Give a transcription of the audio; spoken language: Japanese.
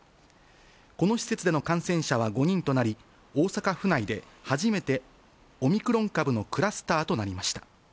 この施設での感染者は５人となり、大阪府内で初めてオミクロン株のクラスターとなりました。